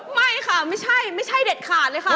ไม่ค่ะไม่ใช่ไม่ใช่เด็ดขาดเลยค่ะ